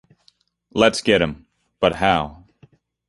Let’s get him? But how?